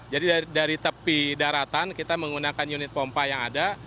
jadi dari tepi daratan kita menggunakan unit pompa yang ada